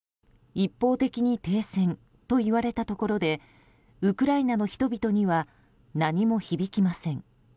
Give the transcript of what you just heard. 一方的に停戦といわれたところでウクライナの人々には何も響きません。